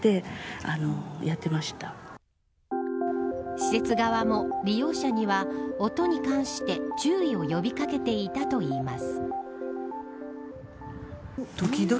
施設側も利用者には音に関して注意を呼び掛けていたといいます。